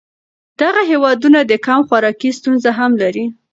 دغه هېوادونه د کم خوراکۍ ستونزه هم لري.